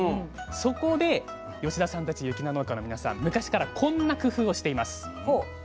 そこで田さんたち雪菜農家の皆さん昔からこんな工夫をしています。